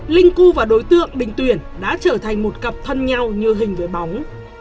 linh cu và đối tượng bình tuyển đã trở thành một cặp thân nhau như hình với bóng